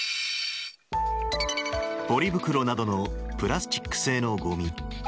ポリ袋などのプラスチック製のごみ。